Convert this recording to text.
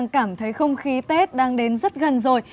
cảm thấy không khí tết đang đến rất gần rồi